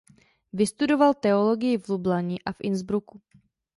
Vystudoval teologii v Lublani a v Innsbrucku.